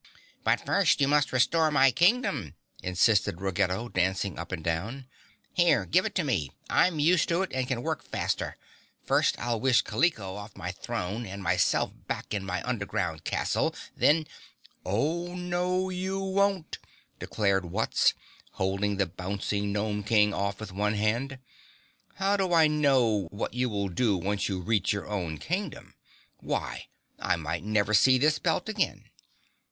"But first you must restore my Kingdom!" insisted Ruggedo, dancing up and down. "Here give it to me. I'm used to it and can work faster. First I'll wish Kaliko off my throne and myself back in my underground castle, then " "Oh, no, you won't!" declared Wutz, holding the bouncing Gnome King off with one hand. "How do I know what you will do once you reach your own Kingdom? Why I might never see this belt again."